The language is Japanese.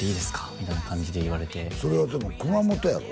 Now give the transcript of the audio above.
みたいな感じで言われてそれはでも熊本やろ？